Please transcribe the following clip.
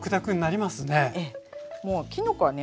もうきのこはね